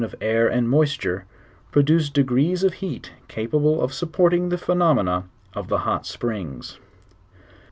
of air and moisture, produce degrees of heat capable of supporting the phenomena of the hot spaings.